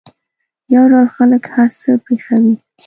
یو ډول خلک هر څه پېښوي.